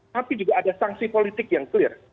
tapi juga ada sanksi politik yang clear